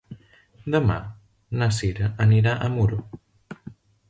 Demà na Cira anirà a Muro.